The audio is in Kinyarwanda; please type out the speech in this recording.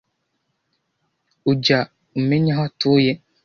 Ujya umenya aho atuye?